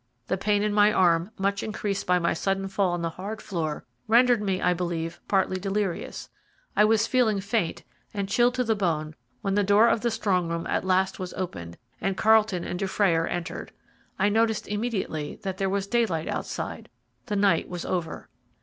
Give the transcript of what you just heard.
The pain in my arm, much increased by my sudden fall on the hard floor, rendered me, I believe, partly delirious I was feeling faint and chilled to the bone when the door of the strong room at last was opened, and Carlton and Dufrayer entered. I noticed immediately that there was daylight outside; the night was over.